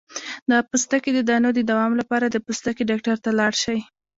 د پوستکي د دانو د دوام لپاره د پوستکي ډاکټر ته لاړ شئ